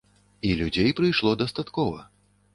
І людзей прыйшло дастаткова.